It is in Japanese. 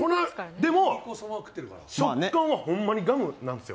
でも、食感はホンマにガムなんですよ。